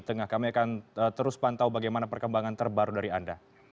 tengah kami akan terus pantau bagaimana perkembangan terbaru dari anda